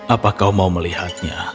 apa kau mau melihatnya